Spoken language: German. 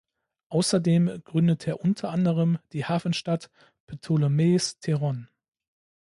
Außerdem gründete er unter anderem die Hafenstadt Ptolemais Theron.